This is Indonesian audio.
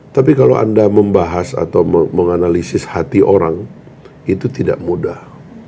tapi kalau anda membahas atau menganalisis hati orang itu tidak mudah